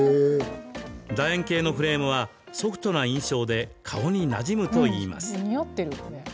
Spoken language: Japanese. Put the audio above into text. だ円形のフレームは、ソフトな印象で顔になじむといいます。